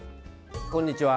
こんにちは。